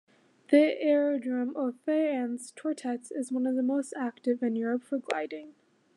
The aerodrome of Fayence-Tourettes is one of the most active in Europe for Gliding.